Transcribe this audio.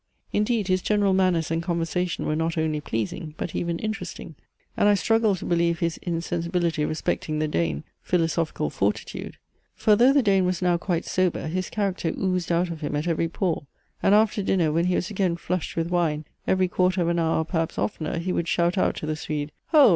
Indeed his general manners and conversation were not only pleasing, but even interesting; and I struggled to believe his insensibility respecting the Dane philosophical fortitude. For though the Dane was now quite sober, his character oozed out of him at every pore. And after dinner, when he was again flushed with wine, every quarter of an hour or perhaps oftener he would shout out to the Swede, "Ho!